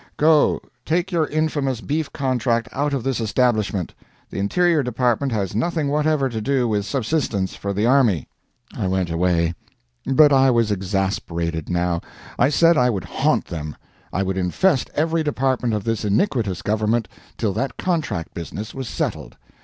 Go, take your infamous beef contract out of this establishment. The Interior Department has nothing whatever to do with subsistence for the army." I went away. But I was exasperated now. I said I would haunt them; I would infest every department of this iniquitous government till that contract business was settled.